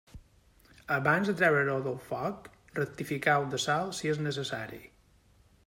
Abans de treure-ho del foc, rectifiqueu de sal si és necessari.